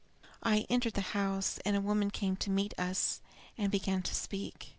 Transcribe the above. I entered the house; a woman came to meet us and began to speak.